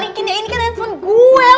ya udah balikin ini kan handphone gue lo tuh